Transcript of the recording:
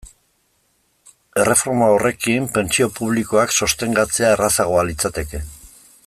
Erreforma horrekin, pentsio publikoak sostengatzea errazagoa litzateke.